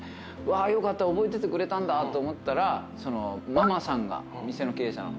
わよかった覚えててくれたんだと思ったらママさんが店の経営者の。